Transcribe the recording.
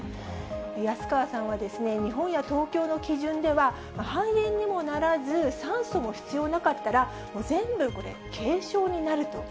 安川さんは、日本や東京の基準では、肺炎にもならず、酸素も必要なかったら、全部軽症になると。